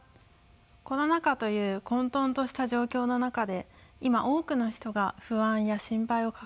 コロナ禍という混とんとした状況の中で今多くの人が不安や心配を抱えていると思います。